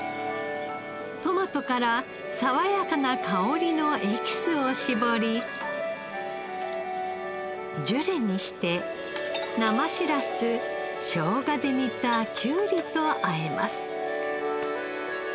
トマトから爽やかな香りのエキスを絞りジュレにして生しらすしょうがで煮たキュウリとあえます。